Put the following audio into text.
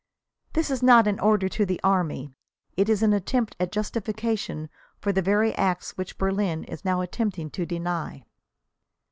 "This is not an order to the army. It is an attempt at justification for the very acts which Berlin is now attempting to deny!"